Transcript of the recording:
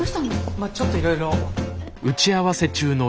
まあちょっといろいろ。